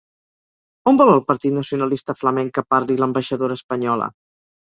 On vol el partit nacionalista flamenc que parli l'ambaixadora espanyola?